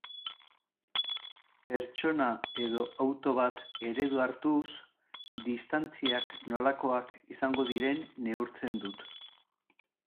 Pertsona edo auto bat eredu hartuz, distantziak nolakoak izango diren neurtzen dut.